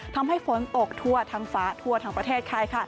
ทำให้ฝนตกทั่วทั้งฟ้าทั่วทั้งประเทศไทย